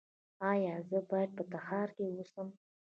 ایا زه باید په تخار کې اوسم؟